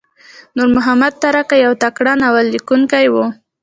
نورمحمد ترهکی یو تکړه ناوللیکونکی وو.